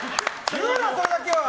言うな、それだけは！